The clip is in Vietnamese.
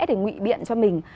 để ngụy biện cho mình